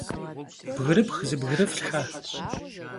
Bgırıpx zıbgırıflhhe!